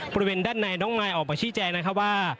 บริเวณด้านในน้องมายออกมาชี้แจงนะครับว่า